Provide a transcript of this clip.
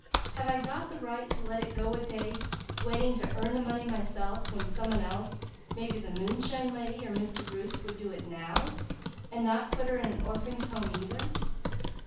Have I got the right to let it go a day, waiting to earn the money myself, when some one else, maybe the Moonshine Lady, or Mr. Bruce, would do it now, and not put her in an Orphings' Home, either?"